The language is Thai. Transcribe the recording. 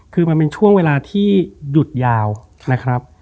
คือมันเป็นช่วงเวลาที่หยุดยาวนะครับ